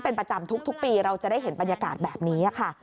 เป็นประจำทุกปีเราจะได้เห็นบรรยากาศแบบนี้ค่ะ